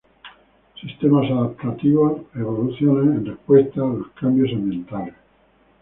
Sistemas adaptativos evolucionan en respuesta a los cambios ambientales.